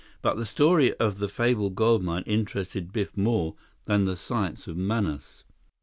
But the story of the fabled gold mine interested Biff more than the sights of Manaus.